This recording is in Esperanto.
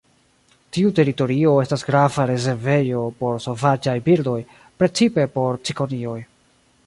Tiu teritorio estas grava rezervejo por sovaĝaj birdoj, precipe por cikonioj.